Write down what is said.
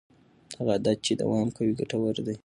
هغه عادت چې دوام کوي ګټور دی.